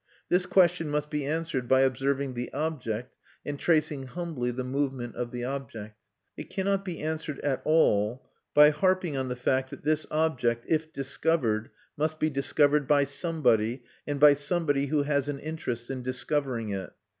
This question must be answered by observing the object, and tracing humbly the movement of the object. It cannot be answered at all by harping on the fact that this object, if discovered, must be discovered by somebody, and by somebody who has an interest in discovering it.